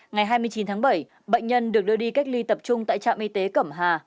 ngày hai mươi chín tháng bảy bệnh nhân được đưa đi cách ly tập trung tại trạm y tế cẩm hà